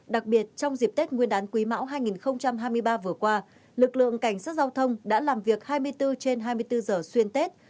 đặc biệt trong dịp tết nguyên đán quý mão hai nghìn hai mươi ba vừa qua lực lượng cảnh sát giao thông đã làm việc hai mươi bốn trên hai mươi bốn giờ xuyên tết